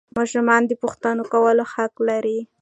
ماشومان د پوښتنو کولو حق لري